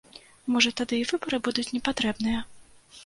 Можа, тады і выбары будуць непатрэбныя?